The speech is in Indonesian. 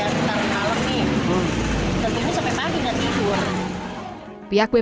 dan ini sampai pagi nggak tidur